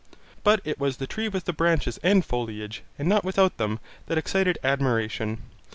But it was the tree with the branches and foliage, and not without them, that excited admiration.